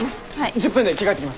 １０分で着替えてきます。